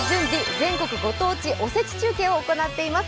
全国ご当地おせち中継」を行っています